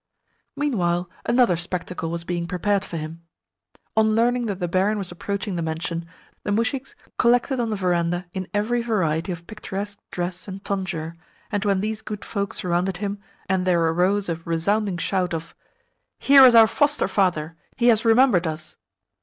Meanwhile another spectacle was being prepared for him. On learning that the barin was approaching the mansion, the muzhiks collected on the verandah in very variety of picturesque dress and tonsure; and when these good folk surrounded him, and there arose a resounding shout of "Here is our Foster Father! He has remembered us!"